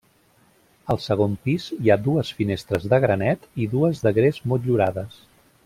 Al segon pis hi ha dues finestres de granet i dues de gres motllurades.